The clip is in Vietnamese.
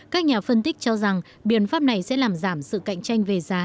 các nhà phân tích cho rằng biện pháp này sẽ làm giảm sự cạnh tranh về giá